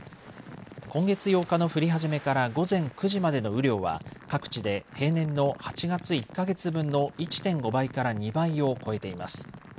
今月８日の降り始めから午前９時までの雨量は各地で平年の８月１か月分の１．５倍から２倍を超えています。